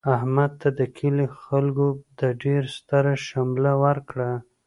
احمد ته د کلي خلکو د ډېر ستره شمله ورکړله.